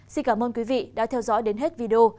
xin cảm ơn quý vị đã theo dõi đến hết video